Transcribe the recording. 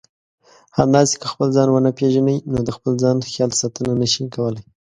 همداسې که خپل ځان ونه پېژنئ نو د خپل ځان خیال ساتنه نشئ کولای.